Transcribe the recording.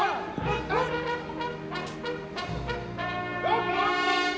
อัศวินธรรมชาติ